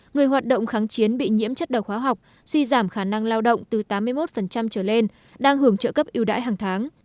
người hoạt động kháng chiến bị nhiễm chất đầu khóa học suy giảm khả năng lao động từ tám mươi một trở lên đang hưởng trợ cấp yêu đãi hàng tháng